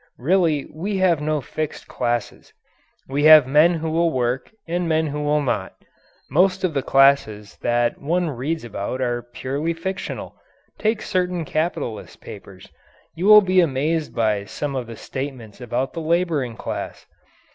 Really we have no fixed classes. We have men who will work and men who will not. Most of the "classes" that one reads about are purely fictional. Take certain capitalist papers. You will be amazed by some of the statements about the labouring class.